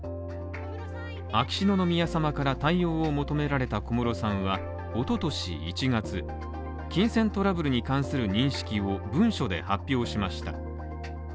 秋篠宮さまから対応を求められた小室さんは一昨年１月、金銭トラブルに関する認識を文書で発表しました。